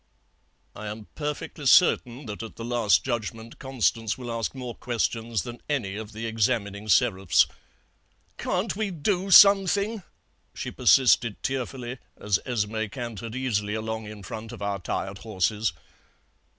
"I am perfectly certain that at the Last Judgment Constance will ask more questions than any of the examining Seraphs. "'Can't we do something?' she persisted tearfully, as Esmé cantered easily along in front of our tired horses.